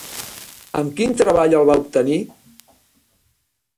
Amb quin treball el va obtenir?